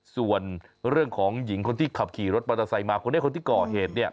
ส่วนเรื่องของหญิงคนที่ขับขี่รถมอเตอร์ไซค์มาคนนี้คนที่ก่อเหตุเนี่ย